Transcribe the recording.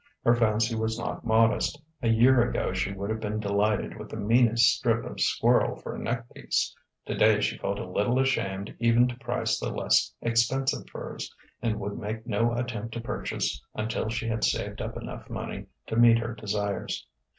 Her fancy was not modest: a year ago she would have been delighted with the meanest strip of squirrel for a neckpiece; today she felt a little ashamed even to price the less expensive furs, and would make no attempt to purchase until she had saved up enough money to meet her desires.